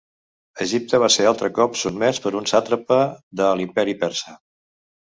Egipte va ser altre cop sotmès per un sàtrapa de l'Imperi persa.